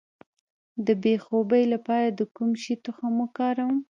د بې خوبۍ لپاره د کوم شي تخم وکاروم؟